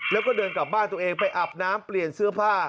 แล้วก็เดินกลับบ้านตัวเองไปอาบน้ำเปลี่ยนเสื้อผ้า